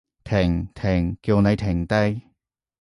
停！停！叫你停低！